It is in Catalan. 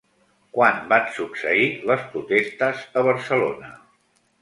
Quan van succeir les protestes a Barcelona?